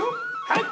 はい！